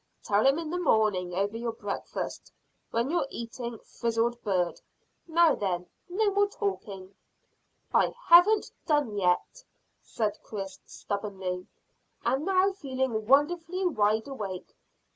"Tell him in the morning over your breakfast, when you're eating frizzled bird. Now then, no more talking." "I haven't done yet," said Chris stubbornly, and now feeling wonderfully wide awake.